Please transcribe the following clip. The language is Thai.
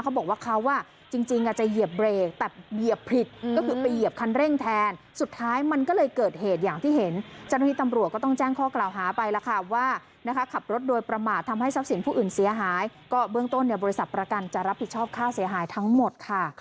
เขาบอกว่าเขาอ่ะจริงอ่าจะเหยียบเบรกแต่เหยียบผิด